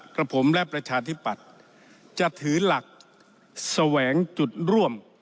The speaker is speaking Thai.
กับผมและประชาธิปัตย์จะถือหลักแสวงจุดร่วม